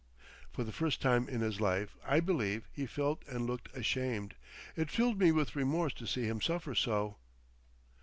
For the first time in his life, I believe, he felt and looked ashamed. It filled me with remorse to see him suffer so.